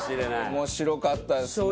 面白かったですね。